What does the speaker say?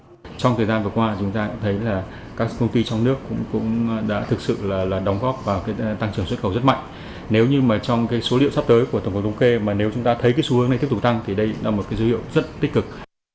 trong thời gian vừa qua chúng ta cũng thấy là các công ty trong nước cũng đã thực sự là đóng góp vào cái tăng trưởng xuất khẩu rất mạnh nếu như mà trong cái số liệu sắp tới của tổng cục thống kê mà nếu chúng ta thấy cái xu hướng này tiếp tục tăng thì đây là một cái dữ hiệu rất tích cực